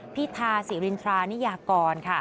พี่ทาสีรินทรานิยากร